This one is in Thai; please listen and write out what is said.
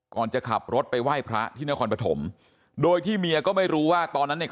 จะขับรถไปไหว้พระที่นครปฐมโดยที่เมียก็ไม่รู้ว่าตอนนั้นเนี่ย